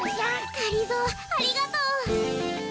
がりぞーありがとう。